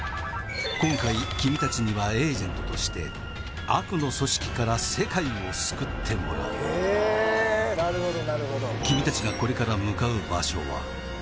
「今回君たちにはエージェントとして」「悪の組織から世界を救ってもらう」へえなるほどなるほど「君たちがこれから向かう場所は」